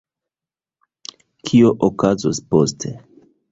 Kio okazos poste?